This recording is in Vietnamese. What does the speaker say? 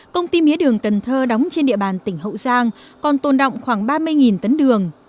công ty mía đường cần thơ đóng trên địa bàn tỉnh hậu giang còn tồn động khoảng ba mươi tấn đường